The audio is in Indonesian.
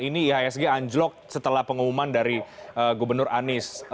ini ihsg anjlok setelah pengumuman dari gubernur anies